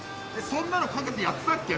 そんなのかけてやってたっけ？